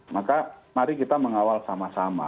maka mari kita mengawal sama sama